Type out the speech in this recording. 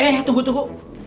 eh tunggu tunggu